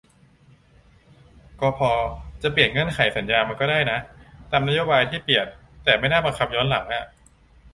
กพ.จะเปลี่ยนเงื่อนไขสัญญามันก็ได้นะ ตามนโยบายที่เปลี่ยน แต่ไม่น่าบังคับย้อนหลังอ่ะ